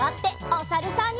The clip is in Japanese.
おさるさん。